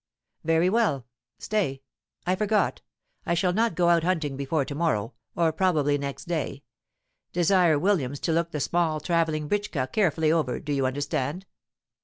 '" "Very well. Stay, I forgot. I shall not go out hunting before to morrow, or probably, next day. Desire Williams to look the small travelling britcska carefully over. Do you understand?"